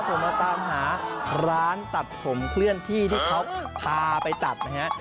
ผมมาตามหาร้านตัดผมเคลื่อนที่ที่เขาพาไปตัดนะฮะ